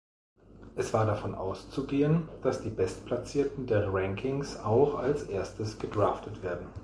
Es war davon auszugehen, dass die bestplatzierten der Rankings auch als erstes gedraftet werden.